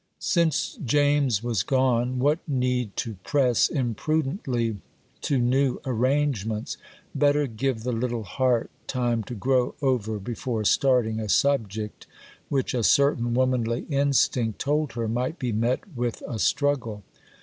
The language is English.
Since James was gone, what need to press imprudently to new arrangements? Better give the little heart time to grow over before starting a subject which a certain womanly instinct told her might be met with a struggle.